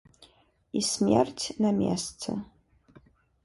І смерць на месцы!